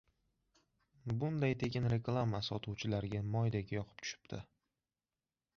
Bunday tekin reklama sotuvchilarga moydek yoqib tushibdi.